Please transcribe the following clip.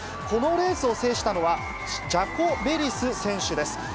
このレースを制したのは、ジャコベリス選手です。